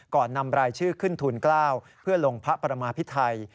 นำรายชื่อขึ้นทูล๙เพื่อลงพระประมาพิไทย